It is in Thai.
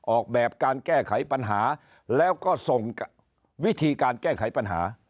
ออกแบบการแก้ไขปัญหาแล้วก็ส่งวิธีการแก้ไขปัญหา